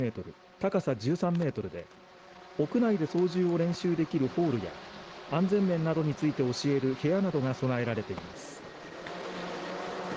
高さ１３メートルで屋内で操縦を練習できるホールや安全面などについて教える部屋などが備えられています。